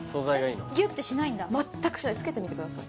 ギュッてしないんだ全くしないつけてみてください